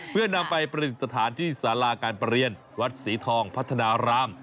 เพื่อนำไปประดิษฐานที่สาราการประเรียนวัดศรีทองพัฒนาราม